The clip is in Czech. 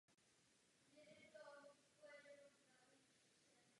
Na olympijské hry v Barceloně přijel jako úřadující mistr světa výborně připraven.